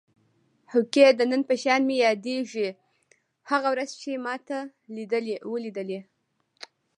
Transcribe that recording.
هوکې د نن په شان مې یادېږي هغه ورځ چې ما ته ولیدلې.